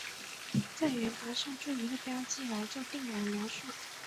在圆盘上做一个标记来做定量描述。